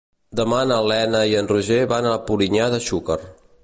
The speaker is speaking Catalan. Demà na Lena i en Roger van a Polinyà de Xúquer.